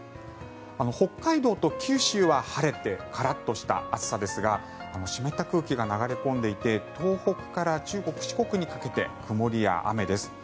北海道と九州は晴れてカラッとした暑さですが湿った空気が流れ込んでいて東北から中国・四国にかけて曇りや雨です。